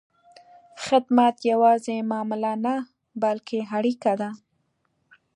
خدمت یوازې معامله نه، بلکې اړیکه ده.